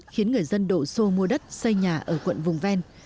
khiến người dân đổ xô mua đất xây nhà ở quận văn